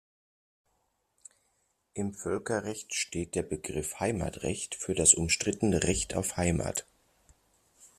Im Völkerrecht steht der Begriff "Heimatrecht" für das umstrittene "Recht auf Heimat".